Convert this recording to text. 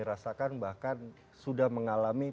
rasakan bahkan sudah mengalami